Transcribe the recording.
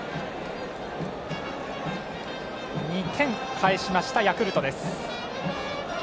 ２点返しましたヤクルトです。